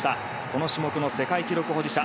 この種目の世界記録保持者